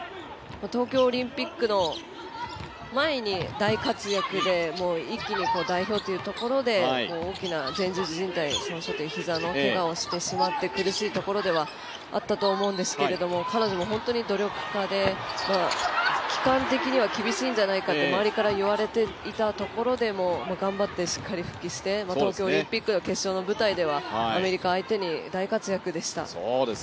東京オリンピックの前に大活躍で一気に代表というところで大きな前十字靱帯の膝のけがをしてしまって苦しいところではあったと思うんですけど彼女も本当に努力家で期間的には厳しいんじゃないかと周りから言われていたところでも頑張ってしっかり復帰して東京オリンピックの決勝の舞台ではアメリカ相手に大活躍でした。